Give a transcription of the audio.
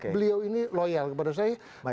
beliau ini loyal kepada saya